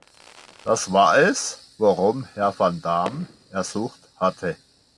Das war es, worum Herr van Dam ersucht hatte.